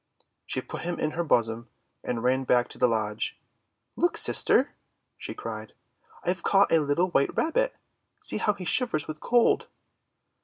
She put him in her bosom and ran back to the lodge. "Look, sister," she cried, "I've caught a little white Rabbit! See how he shivers with cold!'